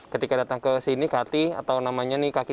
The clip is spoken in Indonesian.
ketika datang ke sini kati atau namanya kaki tiga